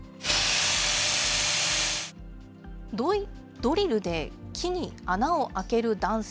ドリルで木に穴を開ける男性。